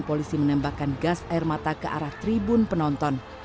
polisi menembakkan gas air mata ke arah tribun penonton